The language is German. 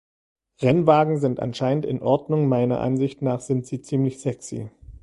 Rennwagen sind anscheinend in Ordnung meiner Ansicht nach sind sie ziemlich sexy.